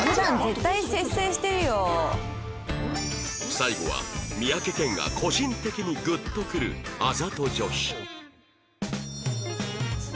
最後は三宅健が個人的にグッとくるあざと女子